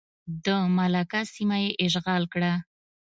د ملاکا سیمه یې اشغال کړه.